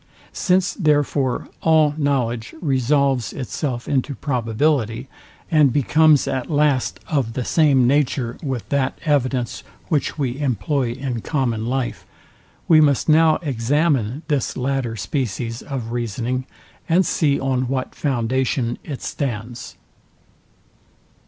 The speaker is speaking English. Since therefore all knowledge resolves itself into probability, and becomes at last of the same nature with that evidence, which we employ in common life, we must now examine this latter species of reasoning, and see on what foundation it stands.